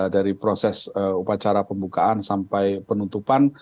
dari proses upacara pembukaan sampai penutupan